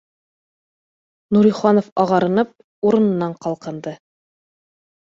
Нуриханов ағарынып урынынан ҡалҡынды